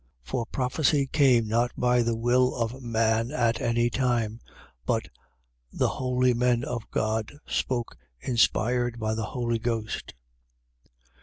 For prophecy came not by the will of man at any time: but the holy men of God spoke, inspired by the Holy Ghost.